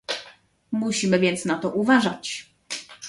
Musimy więc na to uważać